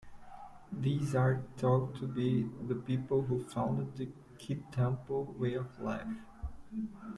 These are thought to be the people who founded the Kintampo way of life.